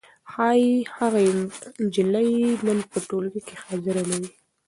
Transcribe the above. ښايي هغه نجلۍ نن په ټولګي کې حاضره نه وي.